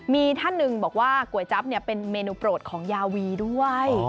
มีท่านหนึ่งบอกว่าก๋วยจั๊บเป็นเมนูโปรดของยาวีด้วย